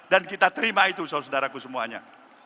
dan kita terima itu saudara saudaraku semuanya